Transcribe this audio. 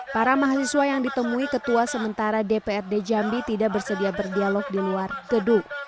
para mahasiswa yang ditemui ketua sementara dprd jambi tidak bersedia berdialog di luar gedung